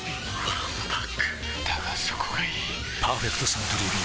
わんぱくだがそこがいい「パーフェクトサントリービール糖質ゼロ」